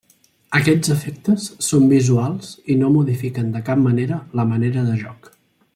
Aquests efectes són visuals i no modifiquen de cap manera la manera de joc.